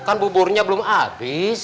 kan buburnya belum habis